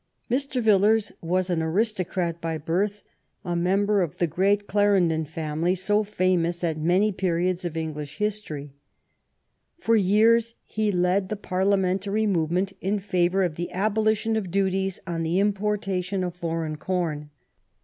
Mr. Villiers was an aristocrat by birth, a member of the great Clarendon family, so famous at many periods of English history. For years he led the Parliamentary movement in favor of the abolition of duties on the importation of foreign corn.